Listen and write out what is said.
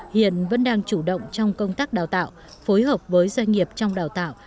hiện vẫn đang chủ động trong công tác đào tạo phối hợp với doanh nghiệp trong đào tạo